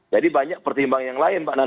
jadi banyak pertimbangan yang lain pak nana